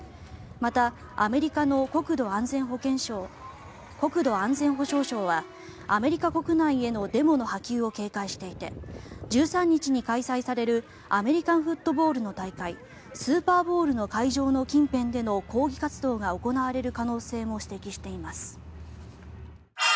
またアメリカの国土安全保障省はアメリカ国内へのデモの波及を警戒していて１３日に開催されるアメリカンフットボールの大会スーパーボウルの会場の近辺での抗議活動が行われる可能性も指摘しています。